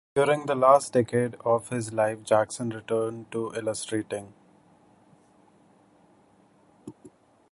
During the last decade of his life Jackson returned to illustrating.